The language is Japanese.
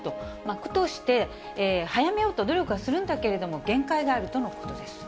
区として早めようと努力はするんだけれども、限界があるとのことです。